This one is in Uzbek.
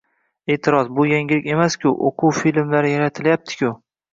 E’tiroz: «Bu yangilik emas-ku, o‘quv filmlari yaratilayapti-ku!».